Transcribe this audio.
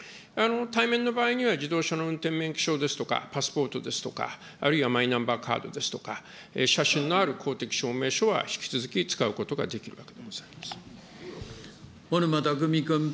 対面の場合には、自動車の運転免許証ですとか、パスポートですとか、あるいはマイナンバーカードですとか、写真のある公的証明書は引き続き使うことができるわけでございま小沼巧君。